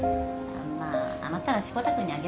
まあ余ったら志子田君にあげればいっか。